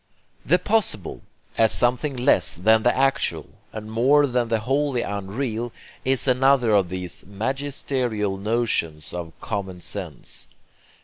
The 'possible,' as something less than the actual and more than the wholly unreal, is another of these magisterial notions of common sense.